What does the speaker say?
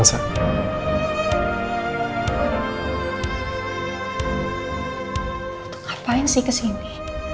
untuk ngapain sih kesini